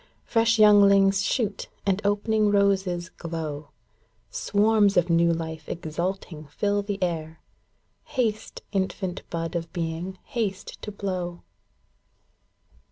Fresh younghngs shoot, and opening roses glow ! Swarms of new life exulting fill the air, ŌĆö Haste, infant bud of being, haste to blow